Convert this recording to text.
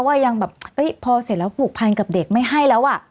ว่ายังแบบพอเสร็จแล้วผูกพันกับเด็กไม่ให้แล้วอ่ะ